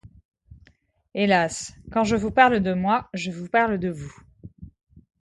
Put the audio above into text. Hélas! quand je vous parle de moi, je vous parle de vous.